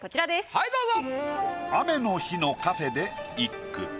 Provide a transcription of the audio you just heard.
はいどうぞ。